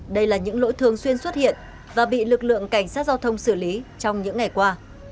đây là những lỗi thường xuyên xuất hiện và bị lực lượng cảnh sát giao thông xử lý trong những ngày qua